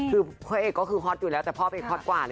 คือพระเอกก็คือฮอตอยู่แล้วแต่พ่อไปฮอตกว่าน